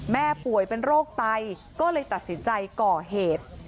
ป่วยเป็นโรคไตก็เลยตัดสินใจก่อเหตุ